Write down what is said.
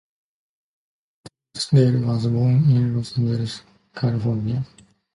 Truesdell was born in Los Angeles, California.